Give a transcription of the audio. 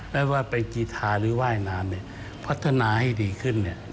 ไม่ว่าเป็นกีธาหรือว่ายน้ำพัฒนาให้ดีขึ้น